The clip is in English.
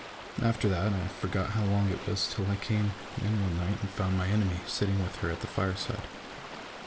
After that, I forget how long it was till I came in one night and found my enemy sitting with her at the fireside.